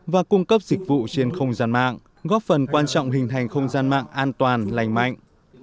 và cung cấp dịch vụ trên không gian mạng góp phần quan trọng hình thành không gian mạng an toàn lành mạnh